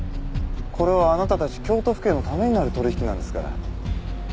これはあなたたち京都府警のためになる取引なんですから。